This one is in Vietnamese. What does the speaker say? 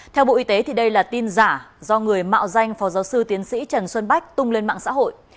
theo bộ y tế đây là tin giả do người mạo danh phó giáo sư tiến sĩ trần xuân bách tung lên mạng xã hội